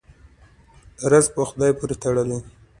رزق په خدای پورې تړلی دی.